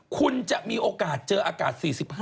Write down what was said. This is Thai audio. คุณจะมีโอกาสเจออากาศ๔๕